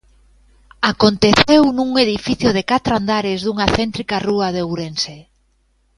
Aconteceu nun edificio de catro andares dunha céntrica rúa de Ourense.